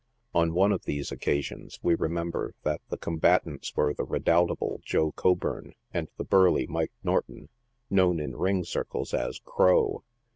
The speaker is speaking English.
On cne of these occasions, we remember that the combatants were the redoubtable Joe Coburn and the burly Mike Norton, known in ring circles as " Crow."